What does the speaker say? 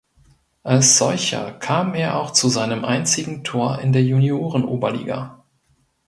Als solcher kam er auch zu seinem einzigen Tor in der Juniorenoberliga.